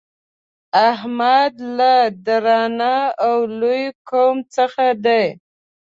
احمد له درانه او لوی قوم څخه دی.